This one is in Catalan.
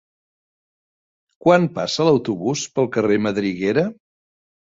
Quan passa l'autobús pel carrer Madriguera?